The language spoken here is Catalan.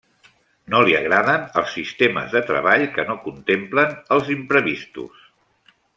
No li agraden els sistemes de treball que no contemplen els imprevistos.